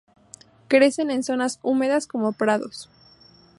Crecen en zonas húmedas como prados.